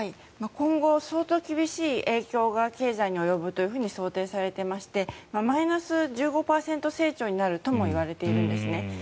今後、相当厳しい影響が経済に及ぶという想定されていましてマイナス１５％成長になるともいわれているんですね。